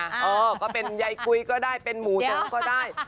เออก็เป็นยายกุยก็ได้เป็นหมูสงก็ได้